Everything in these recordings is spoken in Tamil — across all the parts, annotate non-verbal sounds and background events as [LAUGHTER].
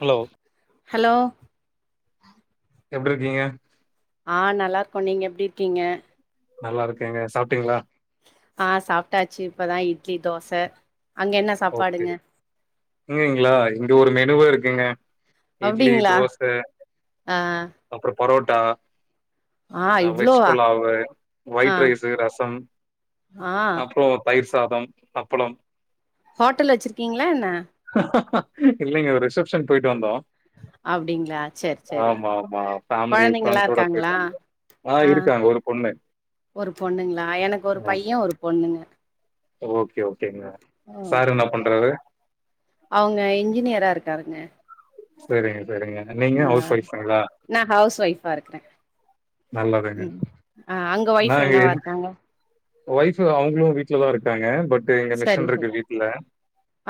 ஹலோ ஹலோ எப்ட்ருக்கீங்க ஆ நல்லா இருக்கோ நீங்க எப்டி இருக்கீங்க நல்லா இருக்கேங்க சாப்ட்டீங்ளா ஆ சாப்ட்டாச்சு இப்பதா இட்லி தோச அங்க என்ன ஓகே சாப்பாடுங்க இங்கெங்குளா இங்க ஒரு மெனுவ இருக்குங்க இட்லி அப்டிங்களா தோச ஆ அப்புறோ பொரோட்டா ஆ அ வெஜ் இவ்ளோவா புலாவு ஆ ஒய்ட் ரைஸு ரசம் ஆ அப்றோ தயிர் சாதம் அப்பளம் ஹோட்டல் வச்சிருக்கீங்ளா என்ன இல்லங்க ஒரு ரிசப்ஷன் போய்ட்டு வந்தோ அப்டிங்களா செரி செரி ஆமா ஆமா ஃபேமிலி கொழந்தைங்கல்லா ஃபெரண்ஸோட இருக்காங்களா போய்ட்டு வந்தோ ஆ இருக்காங்க ஒரு பொண்ணு ஒரு பொண்ணுங்ளா எனக்கு ஒரு ஆமா பையன் ஒரு பொண்ணுங்க ஓகே ஓ ஆ ஓகே ஓகே அவுங்க இன்ஜினியரா இருக்காருங்க செரிங்க செரிங்க நீங்க ஆ ஹவுஸ் ஒயஃப்தானுங்ளா நா ஹவுஸ் ஒய்ஃபா இருக்குற நல்லதுங்க ம் ஆ அங்க ஒய்ஃப் என்னவா இருக்காங்க ஒய்ஃபு அவ்ங்குளு வீட்லதா இருக்றாங்க பட்டு இங்க சரி மிஷின்ட்ருக்கு சரி வீட்ல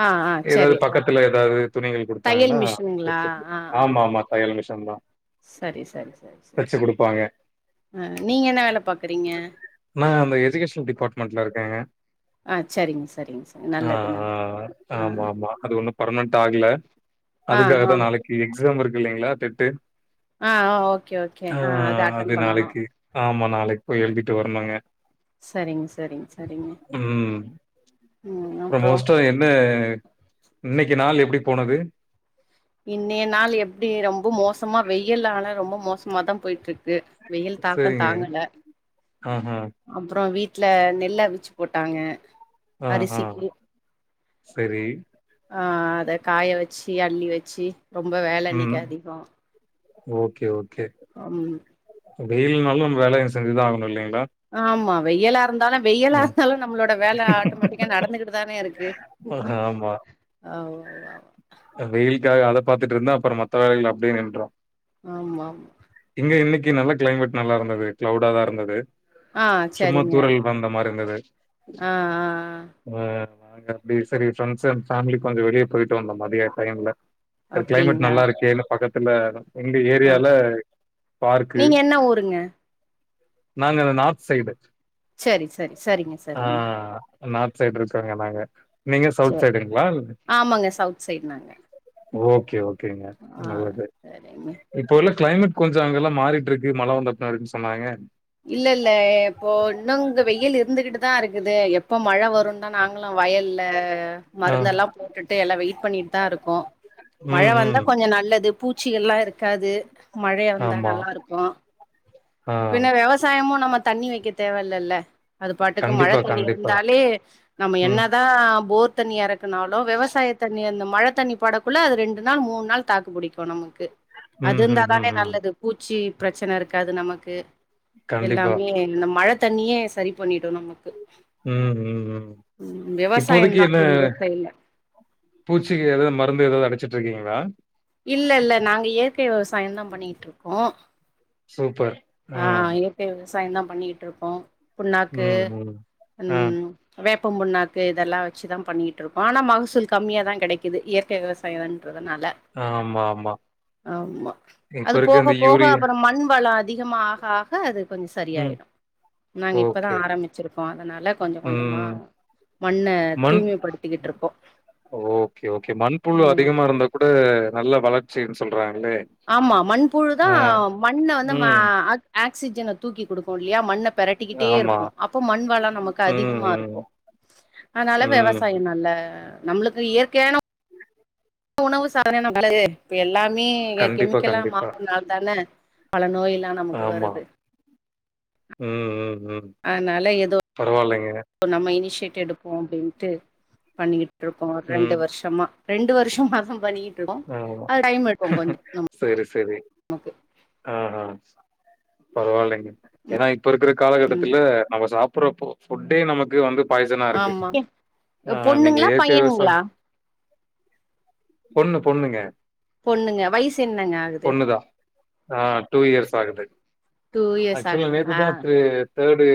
ஆ ஆ சரி எதாவ்து பக்கத்துல எதாவ்து துணிகள் தையல் குடுத்தாங்கனா மிஷினுங்களா தெச்சக்வே ஆ ஆ ஆமா மாக் தையல மிஷன்தா சரி சரி சரி சரி ஆ நீங்க என்ன வேல பாக்குறீங்க நா அந்த எரி கேஷன் டிப்பார்ட்மெண்ட்ல இருக்கங்க ஆ சரிங்க சரிங்க சரி ஆ நல்லது நல்லது ஆ ஆ ஆமா மா அது ஒன்னும் பர்னன்ட் ஆகல ஆ ஆ அதுக்காகதா நாளைக்கி எக்ஸாம் இருக்கு இல்லைங்ளா டெட்டு ஆ ஆ ஓகே ஓகே ஆ அட்டன் அது பண்ணணு நாளைக்கி ஆமா நாளைக் போய் எழுதிட்டு வர்ணுங்க சரிங்க சரிங்க சரிங்க ம் ம் அப்றம் அப்றோ மோஸ்டோ என்ன இன்னைக்கி நாள் எப்டி போனது இன்னைய நாள் எப்டி ரொம்ப மோசமா வெயல்லால ரொம்ப மோசமாதாம் போயிட்ருக்கு வெயில் தாக்கோ செரிங்க தாங்கல அ அ அப்றோ வீட்ல நெல்ல அவிச்சு போட்டாங்க ஆஹா. அரிசிக்கி சரி. அ அதக் காய வச்சி அள்ளி வச்சி ரொம்ப வேல ம். இன்னைக் அதிகோ ஓகே ஓகே அம் வெயில்னாலும் நம் வேலைய செஞ்சிதா ஆகணு இல்லைங்ளா ஆமா வெயலா இருந்தாலு வெயலா இருந்தாலு நம்ளோட வேல ஆட்டோமேட்டிக்கா நடந்துகிட்டுதானே இருக்கு [UNINTELLIGIBLE] வெயில்க்காக அதப் பாத்துட்ருந்தா அப்பறம் மத்த வேலைகள் அப்டே நின்றோ ஆமாம் இங்க இன்னைக்கி நல்ல கிளைமேட் நல்லாருந்தது கிளவுடதா இருந்தது ஆ சும்மாத்தூரல் அந்த மாரி இந்தது அ அ அ ஆ நாங்க அப்டி செரி ஃபிரெண்ட்ஸ் அன் ஃபேமிலி கொஞ்சோ வெளியப் போயிட்டு வந்தோ மதிய டைம்ல சர் கிளைமேட் அப்டிங்களா நல்லா இருக்கேன்னு பக்கத்துல எங்க ஆ ஏரியால பார்க்கு நீங்க என்ன ஊருங்க நாங்க அந்த நார்த் சைடு சரி சரி சரிங்க ஆ சரிங்க நார்த் சைடு இருக்காங்க நாங்க நீங்க சவுட் சரி சைடுங்ளால் ஆமாங்க சவுத் சைட் நாங்க ஓகே ஓகேங்க ஆ நல்லது சரிங்க இப்ப உள்ள கிளைமேட் கொஞ்சோ அங்கலாம் மாரிட்ருக்கு மழ வந்த அப்னா இருக்குன் சொன்னாங்க இல்ல இல்ல இப்போ இன்னொங்க வெயில் இருந்துகிட்டுதா இருக்குது எப்ப மழ வருன் னா நாங்குளு வயல்ல அ ஆ மருந்தெல்லாம் போட்டுட்டு எல்லா வெயிட் பண்ணிட்தா இருக்கோ மழ ம், வந்தா ம். கொஞ்ச நல்லதுப் பூச்சிகள்லா இருக்காது மழைய வந்தா ஆமா. நல்லாருக்கு ஆ பின்ன வெவசாயமு நம்மத் தண்ணி வெக்கத் தேவ இல்லல்ல அது பாட்டுக்கு கண்டிப்பா, மழத் தண்ணி கண்டிப்பா. இருந்தாலே நம்ம ம் என்னதா போர் தண்ணி எறக்கனாலு வெவசாயத் தண்ணி அந்த மழத் தண்ணி படக் குள்ள அது ரெண்டு நாள் மூன் நாள் தாக்கு புடிக்கு நமக்கு அது ம் ம் ம் இந்தாதானே ம் நல்லதுப் பூச்சி பிரச்சன இருக்காது நமக்கு கண்டிப்பா எல்லாமே அந்த மழ தண்ணியே செரி பண்ணிடு நமக்கு ம் ம் ம் ம் இப்போதைக்கு விவசாயந்தா என்ன எங்க ஊர் சைட்ல பூச்சிக்கு எது மருந்து எதாவ்து அடிச்சிட்டு இருக்கீங்களா இல்ல இல்ல நாங்க இயற்கை விவசாயந்தா பண்ணிகிட்ருக்கோ சூப்பர் ஆ இயற்கை விவசாயந்தா பண்ணிக்கிட்டுருக்கோ புண்ணாக்கு ம் ம் ஆ ம் வேப்பம் முண்ணாக்கு இதெல்லா வெச்சுதா பண்ணிட்டு இருக்கோ ஆனா மகசூல் கம்மிய தா கெடைக்குது இயற்கை விவசா பயோன்றதுனால ஆமா ஆமா ஆமா இப்ப அது இருக்க போக இந்த போக யூரியா அப்றோ மண் வளோ அதிகமா ஆக ஆக அது கொஞ்ச ம் சரியாயிடு நாங்க இப்பதா ஓகே ஆரம்பிச்சிருக்கோ அதனால கொஞ்ச கொஞ்சமா ம் மண்ண மண் தூய்மைப்படுத்திக்கிட்ருக்கோ ஓகே ஓகே மண்புழு ம் அதிகமா இருந்தா கூட நல்ல வளர்ச்சின் சொல்றாங்களே ஆமா மண்புழுதா ஆ மண்ண வந்து ம ம் அ ஆக்சிஜனை தூக்கி குடுக்கு இல்லையா மண்ண பெரட்டிக்கிட்டே ஆமா இருக்கு அப்போ மண் வளோ நமக்கு ம் அதிகமா ம் இருக்கு அதனால ம் விவசாய நல்ல நம்மளுக்கு இயற்கையான உணவு சாதன [INAUDIBLE] இருக்கு இப்ப எல்லாமே கண்டிப்பா கெமிக்கலா கண்டிப்பா மாறனால தான பல நோய் எல்லா ஆமா ம் ம் ம் அதனால எதோ பரவாயில்லைங்க நம்ம இனிஷியேட் எடுப்போ அப்டின்ட்டு பண்ணிக்கிட் ருக்கோ ரெண்டு ம் வருஷமா ரெண்டு வருஷமாதா பண்ணி ஆ செரி செரி நமக்கு ஆ ஆ பரவால்லைங்க ஏனா இப்ப இருக்கிற காலகட்டத்துல நம்ம சாப்பறப்போ ஃபுட்டே நமக்கு வந்து பாய்சனா இருக்கு ஆமா ஆ நீங்க பொண்ணுங்களா இயற்கை பையனுங்களா விவசாயம் பொண்ணு பொண்ணுங்க பொண்ணுங்க வயசு என்னங்க ஆகுது பொண்ணுதா ஆ டூ இயர்ஸ் ஆகுது டூ இயர்ஸ் ஆக்சுவல நேத்து ஆகுதுங்களா தா தேடு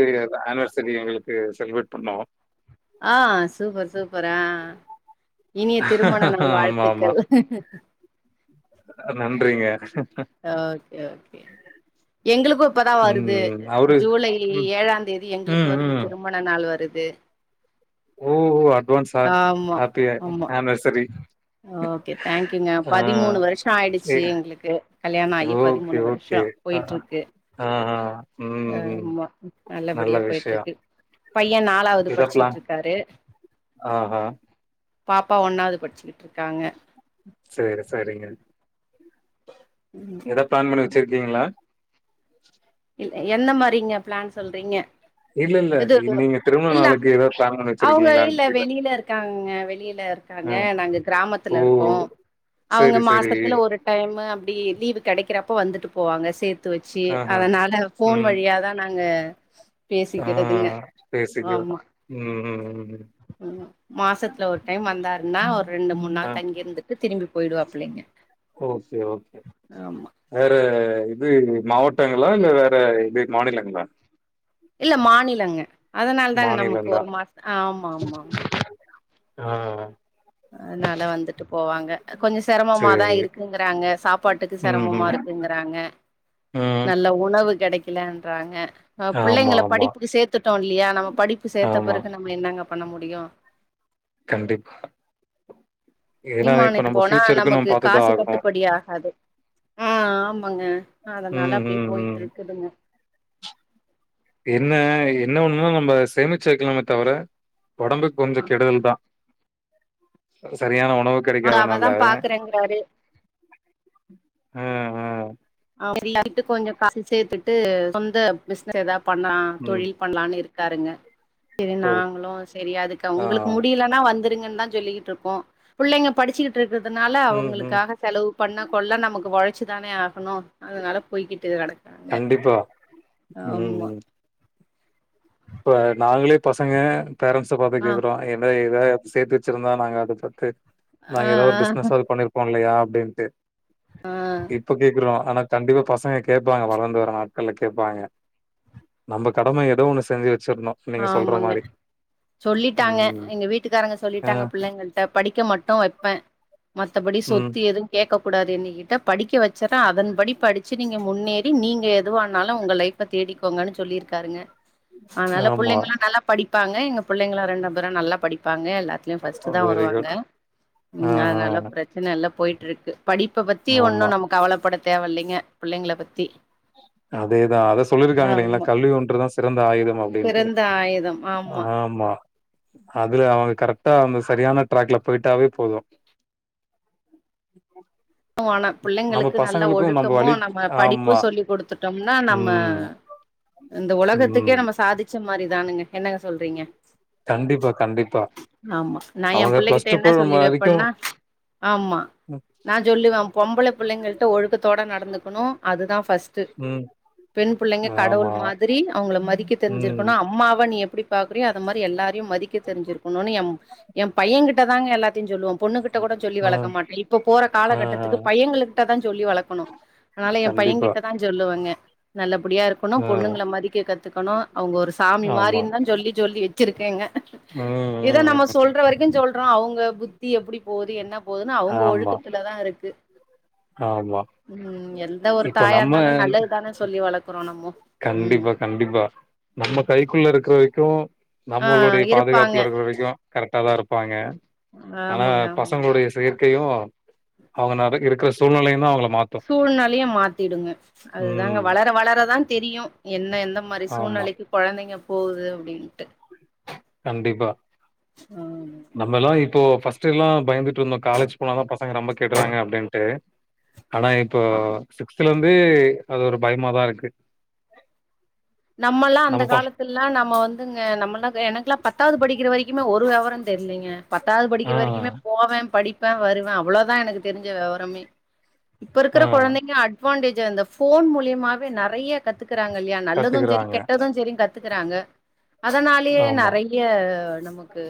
ஆனிவர்சரி எங்களுக்கு செலிப்ரேட் பண்ணோ ஆ சூப்பர் சூப்பரா ஆ இனிய திருமண நாள் ஆமா ஆமா வாழ்த்துக்கள் நன்றிங்க ஓகே ஓகே எங்களுக்கு இப்பதா வருது ம் அவரு ஜூலை ம் ஏழாந் தேதி எங்களுக்கு ம் வருது ம் திரு மண நாள் வருது ஓ அட்வான்ஸ் ஹே ஆமா ஹேப்பி ஆமா ஏன்வர்சரி ஓகே தேங்க்யூங்க பதிமூணு வருஷோ ஏ ஆயிடுச்சு எங்களுக்கு கல்யா ணாயி ஓகே பதிமூணு வருஷோ ஓகே ஆ போயிட்ருக்கு ஆ ம் ம் ஆமா நல்ல நல்லபடியா விஷயம் போயிட்ருக்கு பைய்யனா ட்டாவ்து இத பிளான் படிச்சிட்டுருக்காரு ஆஹா பாப்பா ஒண்ணாவ்து படிச்சிக்கிட்டு இருக்காங்க சேரி சேரிங்க எதா பிளான் பண்ணி வெச்சிருக்கீங்களா இல் என்ன மாரிங்க பிளான் சொல்றீங்க இல்ல, இல்ல. இது [UNINTELLIGIBLE] நீங்க திருமண இல்ல நாளுக்கு ஏதா பிளான் பண்ணி அவுங்க வச்சிருக்கீங்களான்னு இல்ல கேக்குறேன். வெளில இருக் காங்க வெளில இருக்காங்க ம். நாங்க ஓ! கிராமத்துல இருக்கோ அவுங்க சரி, சரி. மாசத்துல ஒரு டைமு அப்டி லீவு கெடைக்கிறப்போ வந்துட்டு போவாங்க சேர்த்து வெச்சி ஆஹ. அதனால ஃபோன் ம். வழியாதா நாங்க ஆ பேசிக்கிறதுங்க பேசிக்கலாம். ஆமா [INAUDIBLE] ம், ம், ம். ம். மாசத்துல ஒரு டைம் வந்தாருன்னா ஒரு ரெண்டு மூனு ஆ நாள் தங்கி இருந்துட்டு திரும்பி போயிடுவாப்ளைங்க செரி ஓகே வேற இது மாவட்டங்களா இல்ல வேற இது மாநிலங்ளா இல்ல மாநிலங்க அதனால தாங்க நமக்கு மாநிலம் ஒரு தான். மாச ஆமா ஆமா ஆமா ஆ அதுனால வந்துட்டு போவாங்க கொஞ்சொ செரமமாதா சரி. இருக்குங்குறாங்க சாப்பாட்டுக்கு செரமமா ம்ஹ்ம். இருக்குங்கறாங்க ம் நல்ல உணவு கெடைக்கலன்றாங்க ஆமா, புள்ளைங்கள ஆமா, படிப்புக்கு சேத்துட்டோ இல்லையா நம்ம படிப்பு சேத்த ஆமா. பெறகு ந நம்ம என்னங்க பண்ண முடியு கண்டிப்பா ஏன்னா, இப்ப [UNINTELLIGIBLE] நம்ம போனா ஃபியூச்சருக்கு நம்ம நமக்கு பாத்து தான் காசு ஆகணும். கட்டுப்படி ஆகாது அ ஆமாங்க அதனால ம், அப்டியே ம், போய்ட்டு ம். இர்க்குதுங்க என்ன என்ன ஒன்னுன்னா நம்ப சேமிச்சு வெக்கலாமே தவர ஒடம்புக்கு கொஞ்சொ கெடுதல் தா சரியான உணவு கெடைக்காத அவதா நால பாக்குறேங்கிறாரு ம் ம் [UNINTELLIGIBLE] கொஞ்ச காசு சேத்துட்டு சொந்த பிஸ்னஸ் எதா பண்லா ம். தொழி பண்லானு இருக்காருங்க செரி ஓ! நாங்ளு செரி அதுக்கு ஆ. உங்களுக்கு முடியல னா வந்துருங்கன்னு தா சொல்லிக்கிட்டு இருக்கோ புள்ளைங்க படுச்சுக்கிட்டு இருக்கிறதுனால ம், ம். அவுங்களுக்காக செலவு பண்ண கொள்ள நமக்கு ஒழச்சுதானே ஆகணு அதுனால போய்கிட்டு கெடக் கண்டிப்பா ம் ம் இப்ப நாங்களே பசங்க பேரண்ட்ஸ பாத்து ஆ கேக்குறோ என்ன எதா சேத்து வச்சிருந்தா நாங்க அத பத்து ஆ நாங்க ஏதோ ஒரு பிஸ்னஸாவ்து பண்ணிருப்போ இல்லையா அப்டின்ட்டு அ இப்ப கேக்குறோ ஆனா கண்டிப்பா பசங்க கேப்பாங்க வளந்து வர நாட்கள்ல கேப்பாங்க நம்ப கடம ஏதோ ஒன்னு செஞ்சு வச்சிர்னு ஆமாங்க சொல்லிட்டாங்க ம். எங்க வீட்டுக்காரங்க அ, சொல்லிட்டாங்க புள்ளைங்களு படிக்க மட்டு வைப்பே மத்தபடி ம். சொத்து எது கேக்க கூடாது என்ன கிட்ட படிக்க வச்சறே அதன் படி படுச்சு நீங்க முன்னேறி நீங்க எதுவானாலு உங்க லைஃப் ப தேடிக்கோங்கனு சொல்லிருக்காருங்க ஆனால ஆமா. நல்லா படிப்பாங்க எங்க புள்ளைங்களு ரெண்டு பேரு நல்லா படிப்பாங்க எல்லாத் லயு ஃபஸ்ட்டு தா வெரி வருவாங்க குட். ஆஹ. அதுனால பிரச் சன இல்ல போய்ட்டு இருக்கு படிப்ப பத்தி ஆமா. ஒன்னு நமக்கு கவலப்பட தேவ இல்லெங்க பிள்ளைங்கள பத்தி அதேதா அத சொல்லிருக்காங்க இல்லைங்களா ஆமா கல்வி ஒன்றுதா சிறந்த ஆயுதம் அப்டின்ட்டு பிறந்த ஆயுதம் ஆமா அதுல அவுங்க கரெக்டா அந்த சரியான ட்ராக்ல பொயிட்டாவே போது ஆனா நம்ம புள்ளைங்களுக்கு நல்ல பசங்களுக்கு நம்ப வழி ஆமா டொம்னா நம்ம ம். இந்த ம். ஒலகத்துக்கே நம்ம சாதிச்ச மாரி தானுங்க என்ன சொல்றீங்க கண்டிப்பா, கண்டிப்பா. ஆமா நா எ அவங்க புள்ளைகிட்ட பிளஸ் ப என்ன சொல்லி வரைக்கும் வெப்பன்னா ஆமா ம். நா சொல்லுவே பொம்பள புள்ளைங்கள்ட ஒழுக்கத்தோட நடந்துக்குனு அதுதா ஃபஸ்ட்டு ம். பெண் புள்ளைங்க கடவுள் ஆமா. மாதிரி அவுங்கள மதிக்க ம். தெருஞ்சுருக்கனு அம்மாவ நீ எப்டி பாக்றியோ அது மாரி எல்லாரையு மதிக்க தெரிஞ்சிருகணுன் என் என் பையன்கிட்ட தாங்க எல்லாத்தையு சொல்லுவ பொண்ணு கிட்ட கூட சொல்லி அ, வளக்க மாட்ட இப்போ அ, அ. காலகட்டத்துக்கு பையங்களுகிட்டதா சொல்லி வளக்கணு ஆனால என் பையங் கண்டிப்பா. கிட்டதா சொல்லுவங்க நல்லபடியாருக் க்கணு அ. பொண்ணுங்ள மதிக்க கத்துக்கணு அவுங்க ஒரு சாமி ஆமா. மாரின்தா சொல்லி சொல்லி வச்சிருக்கங்க ம், இத நம்ம ம், ம். சொல் ற வரைக்கு சொல்றோ அவுங்க புத்தி எப்டி போது என்ன போதுன்னு அவுங்க ஆமா, ஒழுக்கத்துலதா இருக்கு ஆமா ம் எந்த ஒரு இப்ப தாயா இருந்தாலு நம்ம நல்லதுதான சொல்லி வளக்குறோ நம்மோ ம் கண்டிப்பா கண்டிப்பா நம்ம கைக்குள்ள இருக்குற வரைக்கு ஆ நம்மளுடைய இருப்பாங்க பாதுகாப்புல இருக்கிற வரைக்கு கரெக்ட்டாதா இருப்பாங்க ஆனா ஆமாங்க ஆமாங்க பசங்களுடைய செயற்கையு அவுங்க நடக்க இருக்கிற சூழ்நிலையுந்தா அவுங்கள மாத் சூழ்நெலையு மாத்திடுங்க அதுதாங்க ம் வளர வளரதா தெரியு என்ன எந்த மாரி ஆமா சூழ்நிலைக்கு கொழந்தைங்க போவுது அப்டின்ட்டு கண்டிப்பா ஆமா நம்மல்லா இப்போ ஃபஸ்ட்டெல்லா பயந்துட் டு இருந்தோ காலேஜ் போனதா பசங்க ரொம்ப கெட்றாங்க அப்டின்ட்டு ஆனா இப்போ சிக்ஸ்த்ல இருந்தே அது ஒரு பயமாதா இருக்கு நம்மல்லா அந்த நம்ம பச காலத்தில் ல்லா நம்ம வந்துங்க நம்மல்லா எனக்லா பத்தாவுது படிக்கிற வரைக்குமே ஒரு வெவரோ தெரிலிங்க பத்தாவுது ஆ படிக்கிற வரைக்குமே போவ படிப்ப வருவ அவ்ளோதா எனக்கு தெரிஞ்ச வெவரமே இப்ப ஆ இருக்கிற கொழந்தைக்கி அட்வான்டேஜ் அந்த ஃபோன் மூலமாவே நறைய கத்துக்கறாங் இல்லயா நல்லது கத்துக்குறாங்க சேரி கத்துக்கறாங்க அதனாலயே ஆமா நெறைய நமக்கு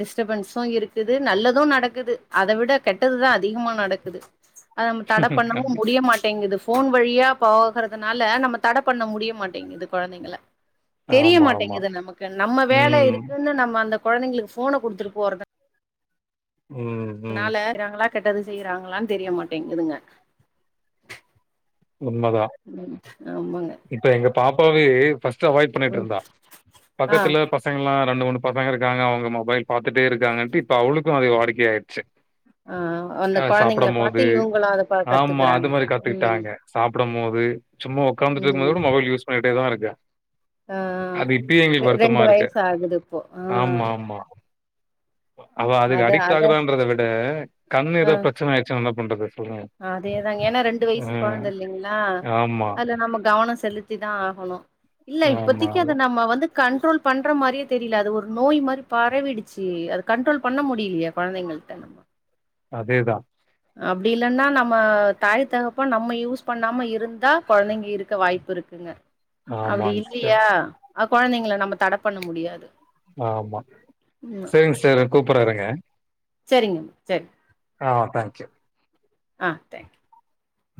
டிஸ்ட்டபன்ஸு இருக்குது நல்லது நடக்குது அத விட கெட்டதுதா அதிகமா நடக்குது அத நம்ம தட பண்ணவு முடிய மாட்டேங்குது ஃபோன் வழியா போகறதுனால நம்ம தட பண்ண முடிய மாட்டேங்குது கொழந்தைங்கள ஆமா ஆமா தெரியமாட்டேங்குது நமக்கு நம்ம வேல ம் இருக்குன்னு நம்ம அந்த கொழந்தைங்களுக்கு ஃபோன குடுத்துட்டு போறத ம் ம் னால நாங்களா கெட்டது செய்றாங்ளான் தெரிய மாட்டேங்குதுங்க உண்மதா ம் ஆமாங்க இப்ப எங்க பாப்பாவே ஃபஸ்ட் டு அவாய்ட் ம் பண்ணிட்ருந்தா ஆ பக்கத்துல ப சங்கல்லா ரெண்டு மூனு பசங்க இருக்காங்க அவுங்க மொபைல் பாத்துட்டே இருக்காங்கன்ட்டு இப்ப அவுளுக்கு அது வாடிக்கையாட்ச்சி ஆ அந்த அ சாப்ட கொழந்தைங்கள பாத்து மோது இவங்களு அத பா ஆமா அது கத்துக்குறாங்க மாரி ம் கத்துக்கிட்டாங்க சாப்டம் மோது சும்மா ஒக்காந்துட்டுருக்கும் போது ம் கூட மொபைல் யூஸ் பண்ணிட்டேதா இருக்கு ஆ அது இப்பயே ரெ எங்களுக்கு வருத்தமா ரெண்டு இருக்கு வயசு ஆகுது இப்போ ஆ ஆமா ஆமா அவ அதுக்கு அது அடிக்ட் அத ஆகுறான்றத விட கண்ணு ஆ ஏதோ பிரச்சன ஆய்டுச்சுன்னா என்ன பண்றது சொல்லுங்க ஏன்னா ரெண்டு வயசு ம். கொழந்தள் அ ஆமா, அதுல நம்ம கவனோ செலுத்திதா ஆகணு இல்ல ஆமா, இப்பதிக்கி அத ஆமா. நம்ம வந்து கண்ட்ரோல் பண்ற மாரியே தெரில அது ஒரு நோய் மாரி பரவிடுச்சி அது கண்ட்ரோல் பண்ண முடியிலியே கொழந்தைங்கள்ட்ட அதே தா அப்டி இல்லன்னா நம்ம தாய் தகப்ப நம்ம யூஸ் பண்ணாம இருந்தா கொழந்தைங்க இருக்க வாய்ப்புருக் குங்க அப்டி ஆமாங்க சிஸ்டர். இல்லியா அ கொழந்தைங்கள நம்ம தட பண்ண முடியாது ஆமா ம் சேரிங்க சார் நா கூப்புட்ற இருங்க சரிங்க சேர் ஆ தேங்க் யூ ஆ தேங்க் யூ